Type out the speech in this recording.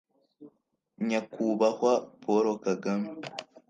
Nyakubahwa Paul Kagame